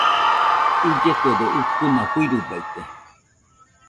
Illetuedo ucuna fɨirɨbaite.